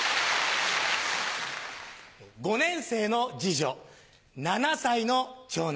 ５年生の次女７歳の長男。